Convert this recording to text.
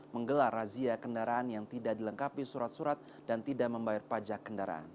menggelar razia kendaraan yang tidak dilengkapi surat surat dan tidak membayar pajak kendaraan